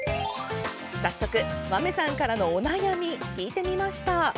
早速、まめさんからのお悩み聞いてみました。